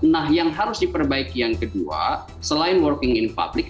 nah yang harus diperbaiki yang kedua selain working in public